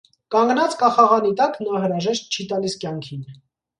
Կանգնած կախաղանի տակ՝ նա հրաժեշտ չի տալիս կյանքին։